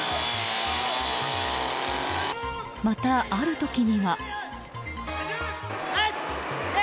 また、ある時には。